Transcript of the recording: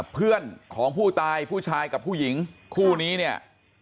เพื่อนของผู้ตายผู้ชายกับผู้หญิงคู่นี้เนี่ย